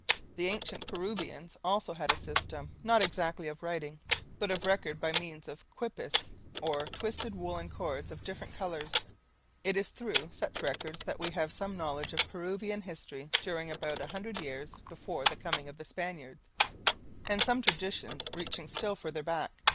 The ancient Peruvians also had a system, not exactly of writing, but of record by means of QUIPUS or twisted woollen cords of different colours: it is through such records that we have some knowledge of Peruvian history during about a hundred years before the coming of the Spaniards, and some traditions reaching still further back.